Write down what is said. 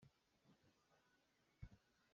Khua he kan i naih cang.